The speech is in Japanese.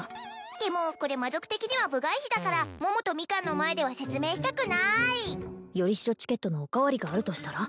でもこれ魔族的には部外秘だから桃とミカンの前では説明したくないよりしろチケットのおかわりがあるとしたら？